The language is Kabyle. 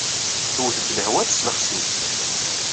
Tewwet-d lehwa teslexes-it.